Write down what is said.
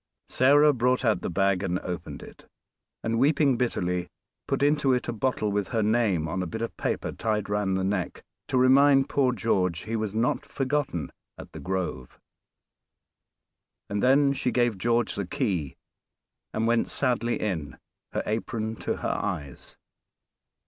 Sarah brought out the bag and opened it, and, weeping bitterly, put into it a bottle with her name on a bit of paper tied round the neck, to remind poor George he was not forgotten at "The Grove," and then she gave George the key and went sadly in, her apron to her eyes.